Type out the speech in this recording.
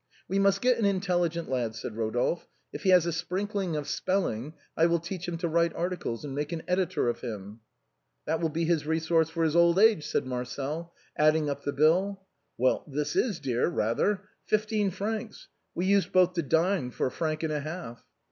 " We must get an intelligent lad," said Eodolphe ;" if he has a sprinkling of spelling, I will teach him to write articles, and make an editor of him." " That will be a resource for his old age," said Marcel, adding up the bill. " Well, this is dear, rather ! Fifteen francs ! We used both to dine for a franc and a half."